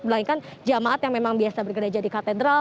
melainkan jemaat yang memang biasa bergereja di katedral